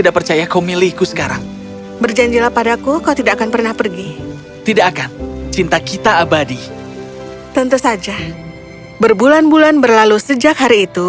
kerajaan yang sangat jauh